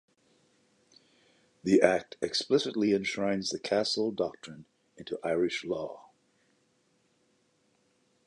The act explicitly enshrines the castle doctrine into Irish law.